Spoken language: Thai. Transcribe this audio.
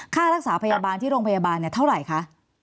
ค่ารักษาพยาบาลที่โรงพยาบาลเท่าไหร่คะ